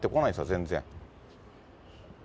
全然。